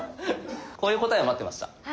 こういう答えを待ってました。